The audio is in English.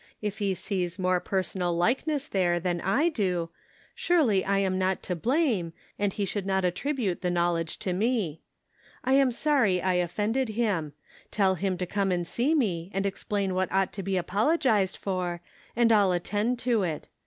If he sees more personal likeness there than I do, surely I am not to blame, and he should not attribute the knowledge to me. I am sorry I offended him. Tell him to come and see me, and explain what ought to be apologized for, and I'll at tend to it.